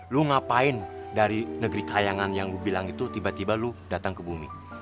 lu ngapain dari negeri kayangan yang gue bilang itu tiba tiba lu datang ke bumi